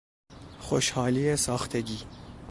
خوشحالی ساختگی